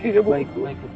ya baik baik